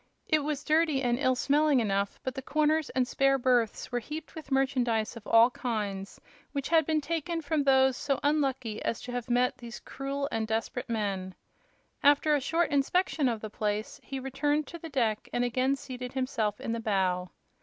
It was dirty and ill smelling enough, but the corners and spare berths were heaped with merchandise of all kinds which had been taken from those so unlucky as to have met these cruel and desperate men. After a short inspection of the place he returned to the deck and again seated himself in the bow.